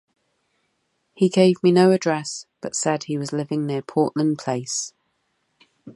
He gave me no address, but said he was living near Portland Place.